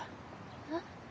えっ？